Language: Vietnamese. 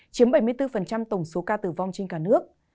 chiếm bảy mươi bốn tổng số ca tử vong trên cả nước